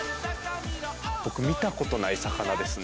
ボク見たことない魚ですね。